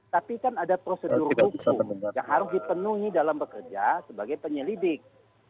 tapi kan ada prosedur hukum yang harus dipenuhi dalam bekerja sebagai penyelidik